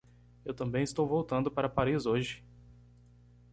Eu também estou voltando para Paris hoje.